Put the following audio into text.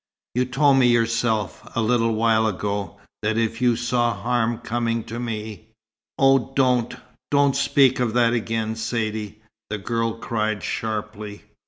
You told me yourself, a little while ago, that if you saw harm coming to me " "Oh don't don't speak of that again, Saidee!" the girl cried, sharply.